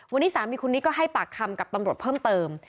วันนี้สามีคนนี้ก็ให้ปากคำกับตำรวจเพิ่มเติม